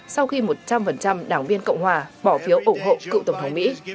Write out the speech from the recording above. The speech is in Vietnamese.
sau khi một trăm linh đảng viên cộng hòa bỏ phiếu ủng hộ cựu tổng thống mỹ